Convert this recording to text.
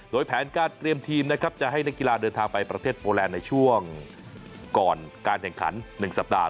โดยแผนการเตรียมทีมนะครับจะให้นักกีฬาเดินทางไปประเทศโปแลนด์ในช่วงก่อนการแข่งขัน๑สัปดาห์